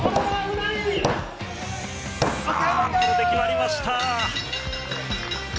これで決まりました。